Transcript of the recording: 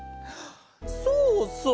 そうそう！